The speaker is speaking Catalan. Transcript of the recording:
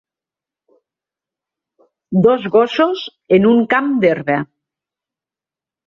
Dos gossos en un camp d'herba.